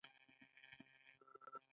اقتصاد په ټپه ودرید.